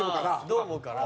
どう思うかな？